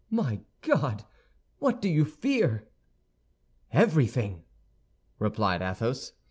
"My God! what do you fear?" "Everything!" replied Athos.